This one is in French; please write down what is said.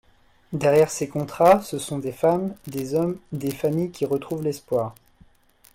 Derrière ces contrats, ce sont des femmes, des hommes, des familles qui retrouvent l’espoir.